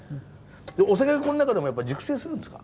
お酒はこの中でも熟成するんですか？